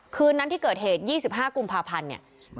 คืนนั้นที่เกิดเหตุ๒๕กุมภาพันธ์เนี่ย